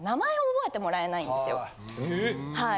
はい。